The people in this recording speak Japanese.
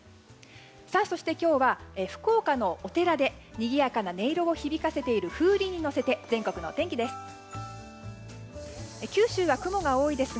そして今日は福岡のお寺でにぎやかな音色を響かせている風鈴に乗せて全国のお天気です。